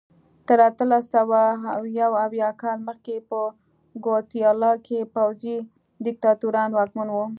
تر اتلس سوه یو اویا کال مخکې په ګواتیلا کې پوځي دیکتاتوران واکمن وو.